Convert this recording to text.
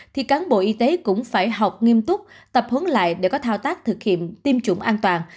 thì cán bộ y tế cũng phải học nghiêm túc tập huấn lại để có thao tác thực hiện tiêm chủng an toàn